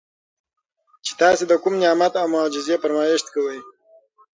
چې تاسي د کوم نعمت او معجزې فرمائش کوئ